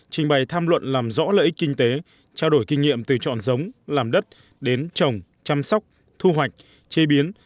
trình bày tham luận làm rõ lợi ích kinh tế trao đổi kinh nghiệm từ chọn giống làm đất đến trồng chăm sóc thu hoạch chế biến